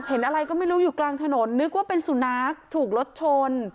เห็นอะไรก็ไม่รู้อยู่กลางถนนนึกว่าเป็นสุนัขถูกรถชน